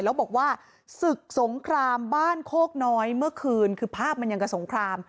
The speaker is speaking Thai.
แล้วบอกว่าศึกสงครามบ้านโคกน้อยเมื่อคืนคือภาพมันยังกับสงคราม